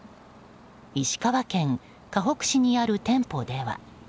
石川県かほく市にある店舗では。